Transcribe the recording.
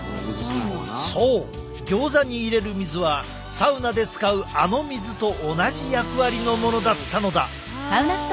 そうギョーザに入れる水はサウナで使うあの水と同じ役割のものだったのだ。